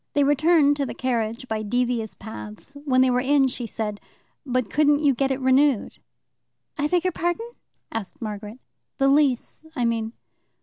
They returned to the carriage by devious paths; when they were in, she said, "But couldn't you get it renewed?" "I beg your pardon?" asked Margaret. "The lease, I mean."